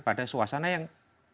pada suasana yang